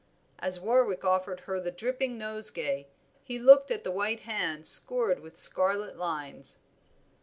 As Warwick offered her the dripping nosegay he looked at the white hand scored with scarlet lines.